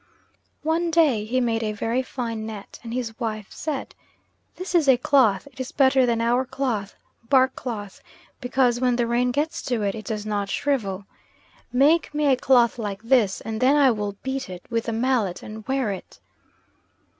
One day he made a very fine net, and his wife said "This is a cloth, it is better than our cloth (bark cloth) because when the rain gets to it, it does not shrivel. Make me a cloth like this and then I will beat it with the mallet and wear it."